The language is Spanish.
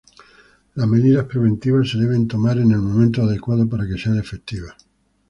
Las medidas preventivas se deben tomar en el momento adecuado para que sean efectivas.